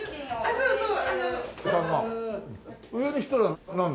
そうそう。